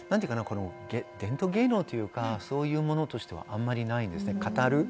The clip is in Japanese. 伝統芸能というか、そういうものとしてはあまりないです。